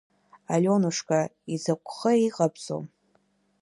Алионушка, изакәхеи иҟабҵо?